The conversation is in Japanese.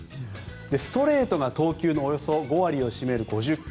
ストレートが投球のおよそ５割を占める５０球。